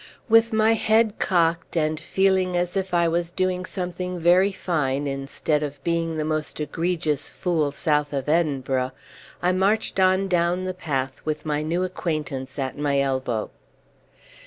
With my head cocked and feeling as if I was doing something very fine, instead of being the most egregious fool south of Edinburgh, I marched on down the path with my new acquaintance at my elbow.